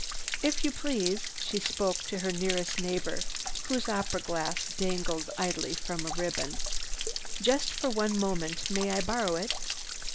"If you please—" she spoke to her nearest neighbor whose opera glass dangled idly from a ribbon. "Just for one moment, may I borrow it?"